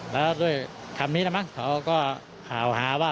แล้วด้วยคำนี้นะมั้งเขาก็ข่าวหาว่า